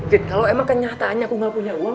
jid kalau emang kenyataannya aku gak punya uang